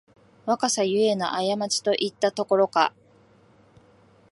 若さゆえのあやまちといったところか